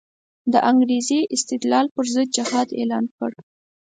د انګریزي استعمار پر ضد جهاد اعلان کړ.